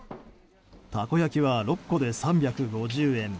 たこ焼きは、６個で３５０円。